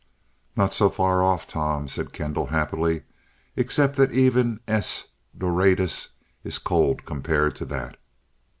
"Not so far off, Tom," said Kendall happily, "except that even S Doradus is cold compared to that.